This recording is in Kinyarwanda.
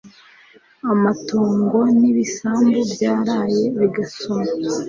amatongo n'ibisambu byaraye bigasoma